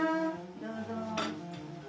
どうぞ。